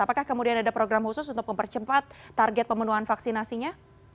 apakah kemudian ada program khusus untuk mempercepat target pemenuhan vaksinasinya